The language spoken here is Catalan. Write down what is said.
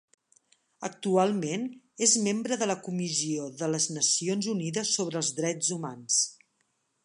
Actualment, és membre de la Comissió de les Nacions Unides sobre els Drets Humans.